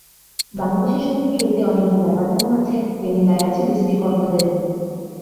বাংলাদেশের সঙ্গে খেলতে অনীহার ব্যাপার যেমন আছে, তেমনি দায় আছে বিসিবি কর্তাদেরও।